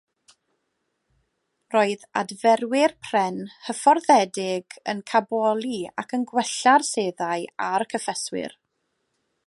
Roedd adferwyr pren hyfforddedig yn caboli ac yn gwella'r seddau a'r cyffeswyr.